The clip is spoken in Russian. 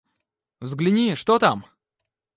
Взгляни, что там!